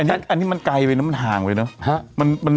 อันนี้มันไกลไปนะมันห่างไปเนอะ